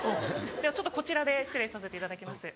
ではちょっとこちらで失礼させていただきます。